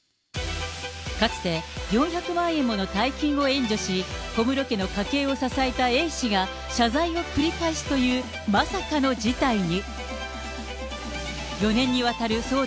かつて、４００万円もの大金を援助し、小室家の家計を支えたＡ氏が謝罪を繰り返すというまさかの事態に。